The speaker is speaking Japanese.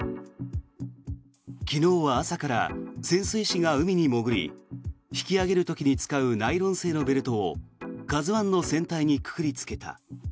昨日は朝から潜水士が海に潜り引き揚げる時に使うナイロン製のベルトを「ＫＡＺＵ１」の船体にくくりつけた。